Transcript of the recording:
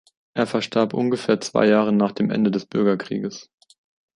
Er verstarb ungefähr zwei Jahre nach dem Ende des Bürgerkrieges.